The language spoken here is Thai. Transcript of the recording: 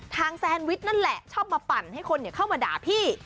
แซนวิชนั่นแหละชอบมาปั่นให้คนเข้ามาด่าพี่